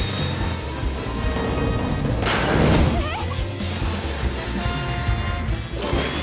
えっ！？